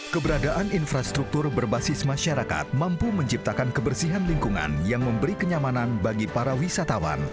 keberadaan infrastruktur berbasis masyarakat mampu menciptakan kebersihan lingkungan yang memberi kenyamanan bagi para wisatawan